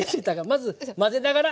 まず混ぜながら。